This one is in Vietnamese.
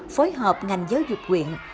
phối hợp ngành giới dục quyện